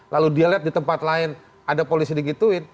lalu dia lihat di tempat lain ada polisi digituin